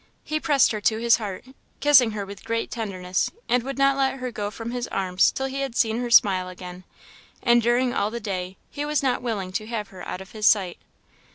He pressed her to his heart, kissing her with great tenderness, and would not let her go from his arms till he had seen her smile again; and during all the day he was not willing to have her out of his sight.